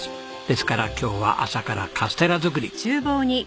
ですから今日は朝からカステラ作り。